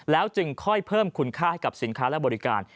แล้วจึงค่อยเพิ่มคุณค่าให้กับสินค้าและบริการ